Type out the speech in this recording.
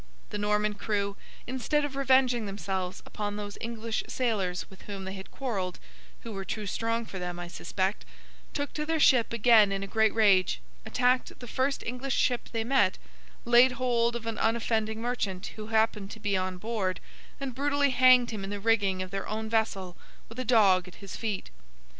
The Norman crew, instead of revenging themselves upon those English sailors with whom they had quarrelled (who were too strong for them, I suspect), took to their ship again in a great rage, attacked the first English ship they met, laid hold of an unoffending merchant who happened to be on board, and brutally hanged him in the rigging of their own vessel with a dog at his feet.